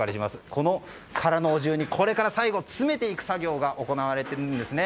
この空のお重に詰めていく作業が行われているんですね。